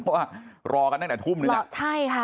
เพราะว่ารอกันตั้งแต่ทุ่มนึงนะ